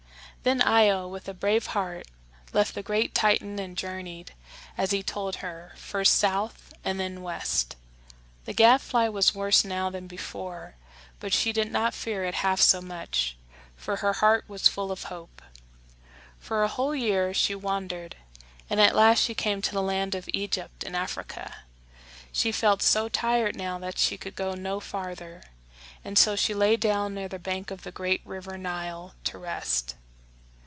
Then Io, with a brave heart, left the great Titan and journeyed, as he had told her, first south and then west. The gadfly was worse now than before, but she did not fear it half so much, for her heart was full of hope. For a whole year she wandered, and at last she came to the land of Egypt in Africa. She felt so tired now that she could go no farther, and so she lay down near the bank of the great River Nile to rest.